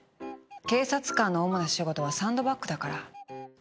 警察官の主な仕事はサンドバッグだから。